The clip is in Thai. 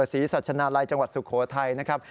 ศรีสัชนาลัยจังหวัดสุโขทัยนะครับ